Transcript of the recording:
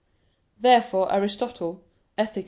Therefore Aristotle (Ethic.